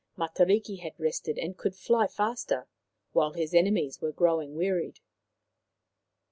Matariki had rested and could fly faster, while his enemies were growing wearied.